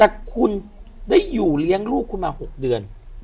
แต่คุณได้อยู่เลี้ยงลูกคุณมา๖เดือน